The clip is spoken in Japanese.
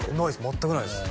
全くないです